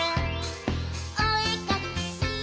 「おえかきしよ！